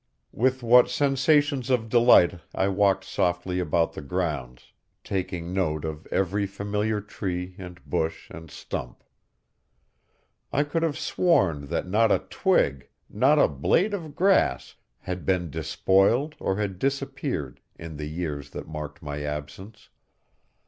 With what sensations of delight I walked softly about the grounds, taking note of every familiar tree and bush and stump. I could have sworn that not a twig, not a blade of grass, had been despoiled or had disappeared in the years that marked my absence.